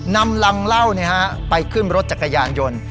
นำลังเล่าเนี้ยฮะไปขึ้นรถจักรยานยนต์